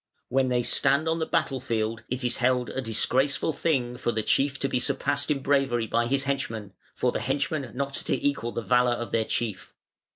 ] "When they stand on the battle field, it is held a disgraceful thing for the chief to be surpassed in bravery by his henchmen, for the henchmen not to equal the valour of their chief.